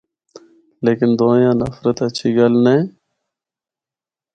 لیکن دوہے آں نفرت اچھی گل نینھ۔